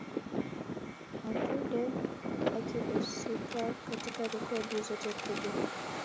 Mkude akihusika katika rekodi zote kubwa